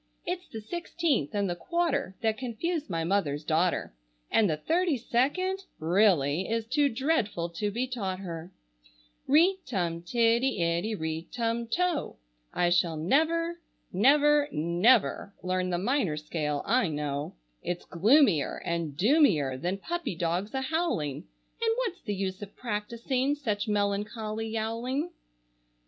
It's the sixteenth and the quarter that confuse my mother's daughter, And the thirty second, really, is too dreadful to be taught her. Ri tum tiddy iddy, ri tum to! I shall never, never, never learn the minor scale, I know. It's gloomier and doomier than puppy dogs a howling, And what's the use of practising such melancholy yowling?